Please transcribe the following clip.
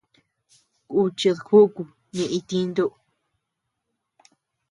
Kuchid júku ñeʼe itintu.